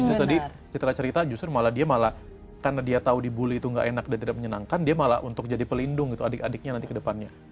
jadi tadi citra cerita justru malah dia malah karena dia tahu dibully itu gak enak dan tidak menyenangkan dia malah untuk jadi pelindung gitu adik adiknya nanti ke depannya